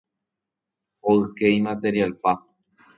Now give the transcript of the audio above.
hoyke imaterial-pa.